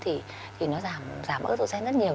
thì nó giảm estrogen rất nhiều